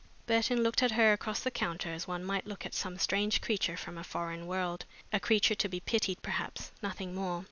Burton looked at her across the counter as one might look at some strange creature from a foreign world, a creature to be pitied, perhaps, nothing more.